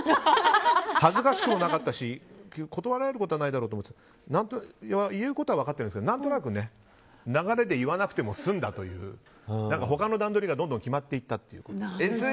恥ずかしくもなかったし断られることはないだろうと思ってたけど言うことは分かってるんですけど何となくね流れで言わなくても済んだという他の段取りがどんどん決まっていったという。